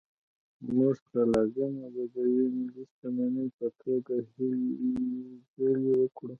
موږ ته لازمه ده د یوې ملي شتمنۍ په توګه هلې ځلې وکړو.